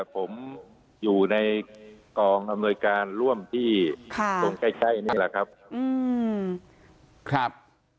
ผมอยู่ในกองอำนวยการร่วมที่ตรงใกล้นี่แหละครับ